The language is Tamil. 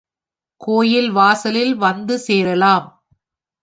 கோயில் வாசலில் வந்து சேரலாம்.